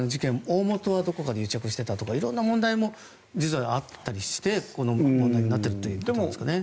大元はどこかで癒着していたとか色んな問題が実はあったりしてこの問題になってるということなんですかね。